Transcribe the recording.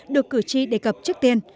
được cử tri đề cập trước tiên